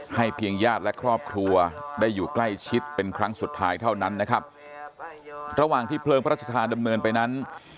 เพียงญาติและครอบครัวได้อยู่ใกล้ชิดเป็นครั้งสุดท้ายเท่านั้นนะครับระหว่างที่เพลิงพระราชทานดำเนินไปนั้น